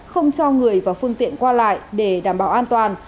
không cho người và phương tiện qua lại để đảm bảo an toàn